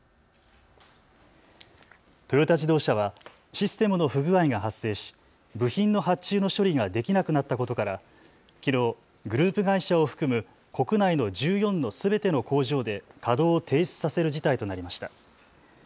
トヨタ自動車はシステムの不具合が発生し部品の発注の処理ができなくなったことからきのうグループ会社を含む国内の１４のすべての工場で稼働を停止させる事態となりました。